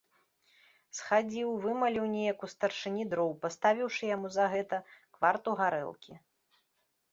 Схадзіў, вымаліў неяк у старшыні дроў, паставіўшы яму за гэта кварту гарэлкі.